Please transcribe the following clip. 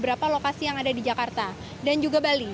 berapa lokasi yang ada di jakarta dan juga bali